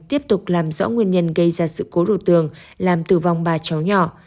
tiếp tục làm rõ nguyên nhân gây ra sự cố đổ tường làm tử vong ba cháu nhỏ